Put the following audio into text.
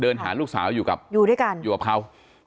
เดินหาลูกสาวอยู่กับเขา